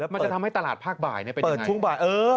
มันจะทำให้ตลาดภาคบ่ายเป็นยังไง